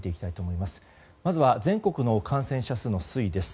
まずは全国の感染者数の推移です。